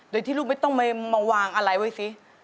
โดยที่ลูกไม่ต้องมาวางอะไรไว้สิ